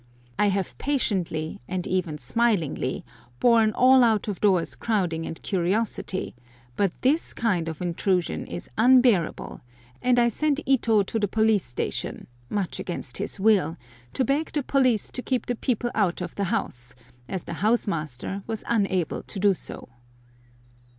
I have patiently, and even smilingly, borne all out of doors crowding and curiosity, but this kind of intrusion is unbearable; and I sent Ito to the police station, much against his will, to beg the police to keep the people out of the house, as the house master was unable to do so.